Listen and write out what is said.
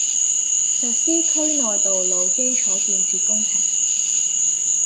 實施區內道路基礎建設工程